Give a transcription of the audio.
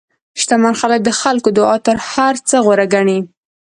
شتمن خلک د خلکو دعا تر هر څه غوره ګڼي.